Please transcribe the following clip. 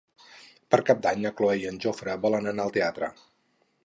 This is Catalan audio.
Per Cap d'Any na Cloè i en Jofre volen anar al teatre.